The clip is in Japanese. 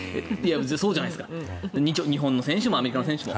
そうじゃないですか日本の選手もアメリカの選手も。